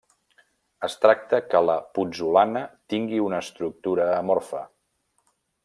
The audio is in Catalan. Es tracta que la putzolana tingui una estructura amorfa.